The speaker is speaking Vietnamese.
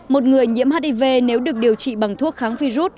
một người nhiễm hiv nếu được điều trị bằng thuốc kháng virus